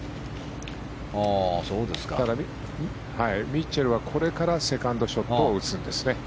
だから、ミッチェルはこれからセカンドショットを打ちますね。